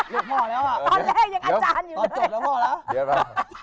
ตอนแรกยังอาจารย์อยู่